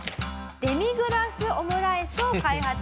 デミグラスオムライスを開発する。